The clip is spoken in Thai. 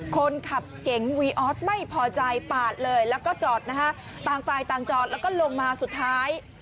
คนขับเก๋งวีออสไม่พอใจปาดเลยแล้วก็จอดนะฮะต่างฝ่ายต่างจอดแล้วก็ลงมาสุดท้าย